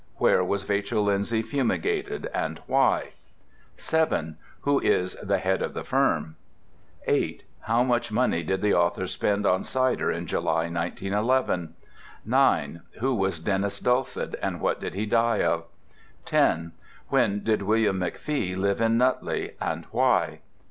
Where was Vachel Lindsay fumigated, and why? 7. Who is "The Head of the Firm"? 8. How much money did the author spend on cider in July, 1911? 9. Who was Denis Dulcet, and what did he die of? 10. When did William McFee live in Nutley, and why?